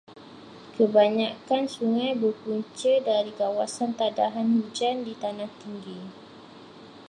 Kebanyakan sungai berpunca dari kawasan tadahan hujan di tanah tinggi.